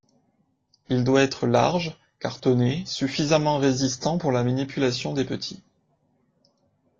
Il doit être large, cartonné, suffisamment résistant pour la manipulation des petits.